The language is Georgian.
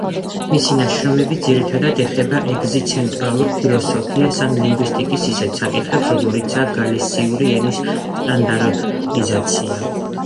მისი ნაშრომები ძირითადად ეხება ეგზისტენციალურ ფილოსოფიას ან ლინგვისტიკის ისეთ საკითხებს როგორიცაა გალისიური ენის სტანდარტიზაცია.